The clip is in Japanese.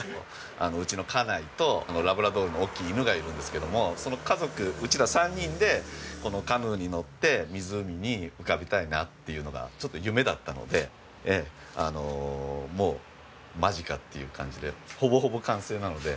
うちの家内とラブラドールの大きい犬がいるんですけどもその家族うちら３人でこのカヌーに乗って湖に浮かびたいなっていうのがちょっと夢だったのでもう間近っていう感じでほぼほぼ完成なので。